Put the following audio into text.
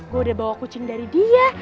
gue udah bawa kucing dari dia